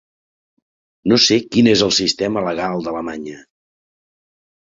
No sé quin és el sistema legal d’Alemanya.